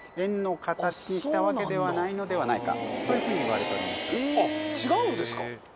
のではないかそういうふうにいわれております。